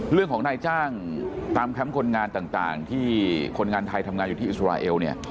เรื่องของนายจ้างตามแคมป์คนงานต่างที่คนงานไทยทำงานอยู่ที่อิสราเอลเนี่ย